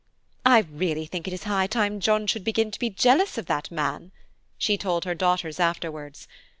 "I really think it is high time John should begin to be jealous of that man," she told her daughters afterwards.